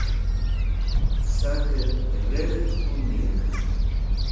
sak'ep rek̃hk humuyen